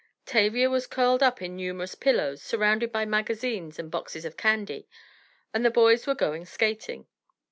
Tavia was curled up in numerous pillows, surrounded by magazines and boxes of candy, and the boys were going skating.